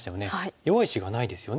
弱い石がないですよね。